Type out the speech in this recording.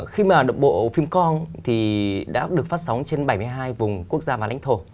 khi mà đập bộ phim con thì đã được phát sóng trên bảy mươi hai vùng quốc gia và lãnh thổ